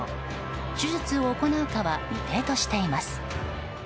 手術を行うかは未定としています。